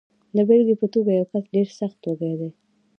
د بېلګې په توګه، یو کس ډېر سخت وږی دی.